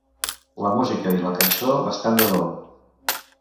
La música i la cançó estan de dol.